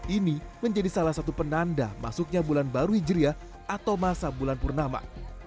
ini menjadi salah satu penanda masuknya bulan baru hijriah atau masa bulan purnama